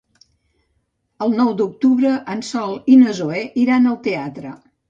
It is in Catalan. El nou d'octubre en Sol i na Zoè iran al teatre.